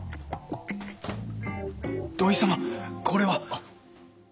土井様これは。